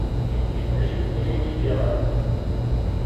Leží v povodí Bělé.